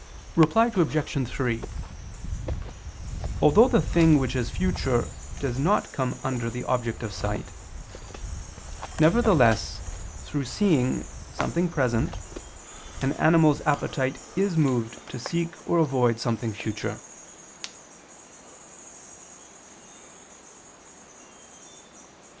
Reply Obj. 3: Although the thing which is future does not come under the object of sight; nevertheless through seeing something present, an animal's appetite is moved to seek or avoid something future.